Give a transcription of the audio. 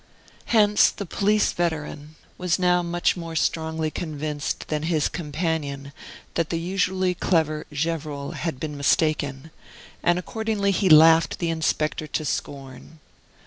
Hence, the police veteran was now much more strongly convinced than his companion that the usually clever Gevrol had been mistaken, and accordingly he laughed the inspector to scorn.